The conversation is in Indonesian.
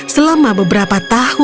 selama beberapa tahun